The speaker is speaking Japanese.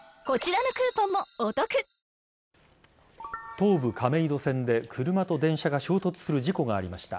東武亀戸線で車と電車が衝突する事故がありました。